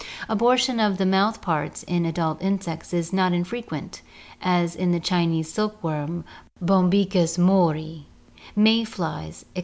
Abortion of the mouth parts in adult insects is not infre quent, as in the Chinese silk worm (Bombyx mart), may flies, etc.